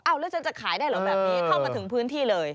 แล้วฉันจะขายได้เหรอแบบนี้เข้ามาถึงพื้นที่เลย